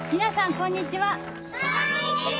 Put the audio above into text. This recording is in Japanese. こんにちは！